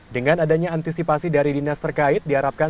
dengan adanya antisipasi dari dinas terkait diharapkan